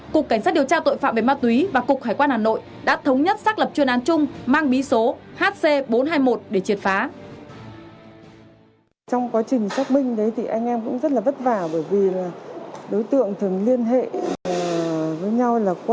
cục cảnh sát điều tra tội phạm về ma túy và cục hải quan hà nội đã thống nhất xác lập chuyên án chung mang bí số hc bốn trăm hai mươi một để triệt phá